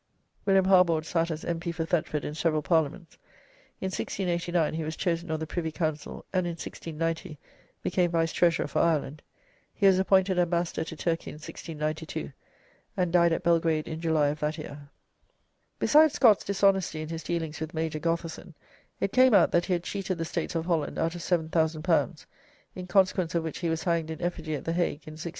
[William Harbord sat as M.P. for Thetford in several parliaments. In 1689 he was chosen on the Privy Council, and in 1690 became Vice Treasurer for Ireland. He was appointed Ambassador to Turkey in 1692, and died at Belgrade in July of that year.] Besides Scott's dishonesty in his dealings with Major Gotherson, it came out that he had cheated the States of Holland out of L7,000, in consequence of which he was hanged in effigy at the Hague in 1672.